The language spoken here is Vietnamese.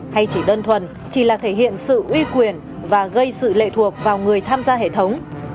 hay chỉ đơn thuần chỉ là thể hiện sự uy quyền và gây sự lệ thuộc vào người tham gia hệ thống